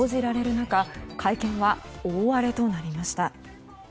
中会見は大荒れとなりました。